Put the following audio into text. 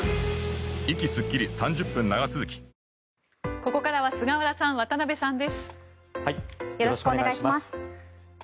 ここからは菅原さん、渡辺さんです。